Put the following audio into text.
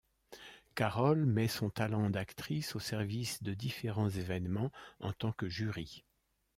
Carole met son talent d'actrice au service de différents évènements en tant que Jury.